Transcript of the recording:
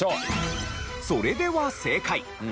それでは正解。